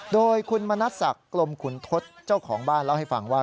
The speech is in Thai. โดยคุณมณัฐศักดิ์กลมขุนทศเจ้าของบ้านเล่าให้ฟังว่า